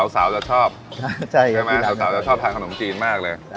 สาวจะชอบใช่ไหมสาวจะชอบทานขนมจีนมากเลย